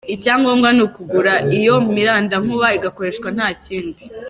Icyangombwa ni ukugura iyo mirandankuba igakoreshwa nta kindi.